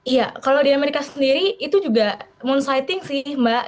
iya kalau di amerika sendiri itu juga monsiting sih mbak